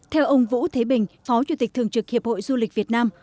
theo ông vũ thế bình phó chủ tịch thường trực hiệp hội du lịch việt nam